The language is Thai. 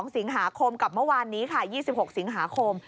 ๒สิงหาคมกับเมื่อวานนี้ค่ะ๒๖สิงหาคม